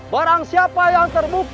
barang sesuatu yang tidak bisa dihukumkan